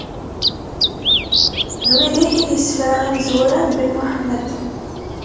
D widak i d isefra imezwura n Ben Muḥemmed.